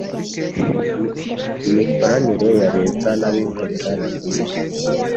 Imikoranire ya Leta nabikorera nimyiza.